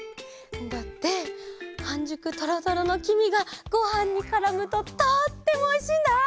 だってはんじゅくトロトロのきみがごはんにからむととってもおいしいんだ！